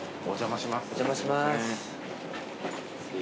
お邪魔します。